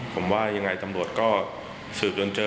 ผมว่ายังไงตำรวจก็สืบจนเจอ